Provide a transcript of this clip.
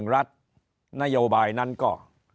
รัฐนโยบายนั้นก็